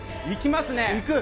行きますね。